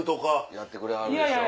やってくれはるでしょう。